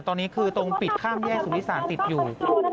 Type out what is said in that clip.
ตอนนี้คือตรงปิดข้ามแยกสุนิสานติดอยู่